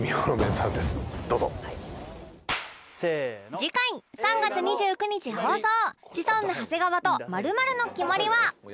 次回３月２９日放送『シソンヌ長谷川×○○のキマリ』は